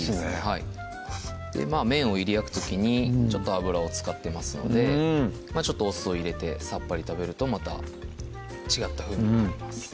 はい麺をいり焼く時にちょっと油を使ってますのでちょっとお酢を入れてさっぱり食べるとまた違った風味になります